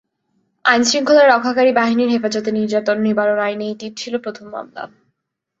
আইনশৃঙ্খলা রক্ষাকারী বাহিনীর হেফাজতে নির্যাতন নিবারণ আইনে এটি ছিল প্রথম মামলা।